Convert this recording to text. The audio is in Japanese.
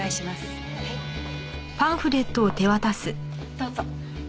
どうぞ。